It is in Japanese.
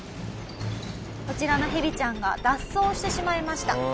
こちらのヘビちゃんが脱走してしまいした。